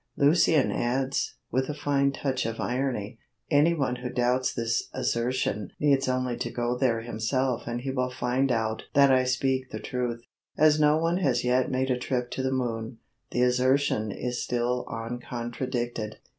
Lucian adds, with a fine touch of irony, "Anyone who doubts this assertion needs only to go there himself and he will find out that I speak the truth." As no one has yet made a trip to the moon, the assertion is still uncontradicted.